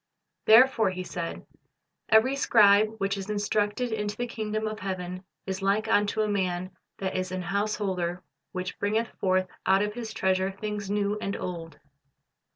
"Therefore," He said, "every scribe which is instructed unto the kingdom of heaven is like unto a man that is an house holder, which bringeth forth out of his treasure things new and old."